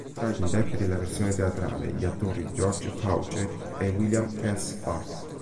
Tra gli interpreti della versione teatrale, gli attori George Fawcett e William S. Hart.